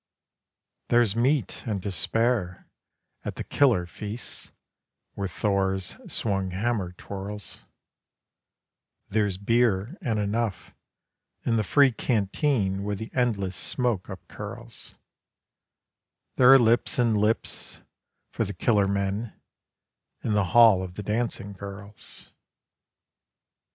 There's meat and to spare, at the Killer Feasts where Thor's swung hammer twirls; There's beer and enough, in the Free Canteen where the Endless Smoke upcurls; There are lips and lips, for the Killer Men, in the Hall of the Dancing Girls.